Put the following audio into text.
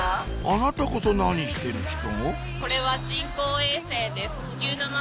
・あなたこそ何してる人？